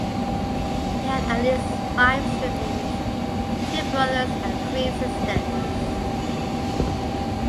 He had at least five siblings: two brothers and three sisters.